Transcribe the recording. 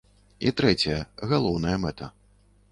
І трэцяя, галоўная мэта.